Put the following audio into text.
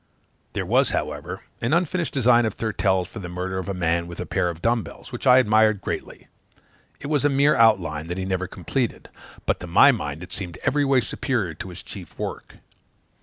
There was, however, an unfinished design of Thurtell's for the murder of a man with a pair of dumb bells, which I admired greatly; it was a mere outline, that he never completed; but to my mind it seemed every way superior to his chief work.